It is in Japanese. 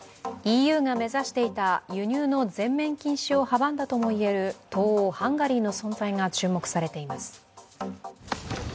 ＥＵが目指していた輸入の全面禁止を阻んだとも言える東欧、ハンガリーの存在が注目されています。